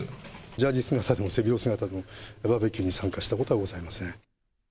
ジャージ姿でも背広姿でも、バーベキューに参加したことはございません。